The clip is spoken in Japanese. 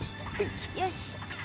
よし。